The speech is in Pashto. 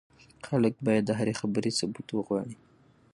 خلک بايد د هرې خبرې ثبوت وغواړي.